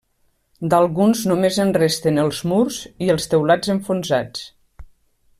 D'alguns només en resten els murs i els teulats enfonsats.